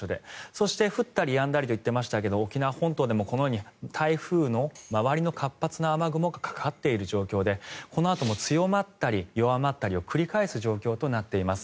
そして、降ったりやんだりと言っていましたが沖縄本島でもこのように台風の周りの活発な雨雲がかかっている状況でこのあとも強まったり弱まったりを繰り返す状況となっています。